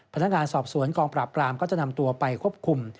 พนักงานสอบสวนกองปราบปรามก็จะนำตัวไปควบคุม